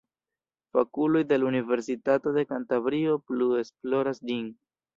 Fakuloj de la Universitato de Kantabrio plu esploras ĝin.